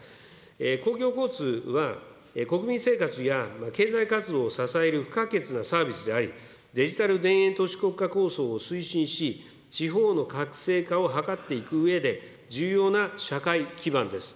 公共交通は、国民生活や経済活動を支える不可欠なサービスであり、デジタル田園都市国家構想を推進し地方のかくせい化を図っていくうえで、重要な社会基盤です。